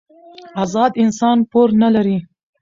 ازاد انسان پور نه لري.